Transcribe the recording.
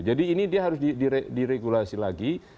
jadi ini dia harus diregulasi lagi